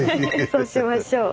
そうしましょう。